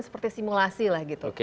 seperti simulasi lah gitu